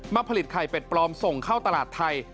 ผลิตไข่เป็ดปลอมส่งเข้าตลาดไทย